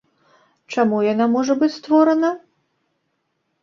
Чаму яна можа быць створана?